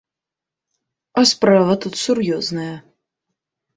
А справа тут сур'ёзная.